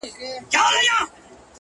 مسافر ليونى-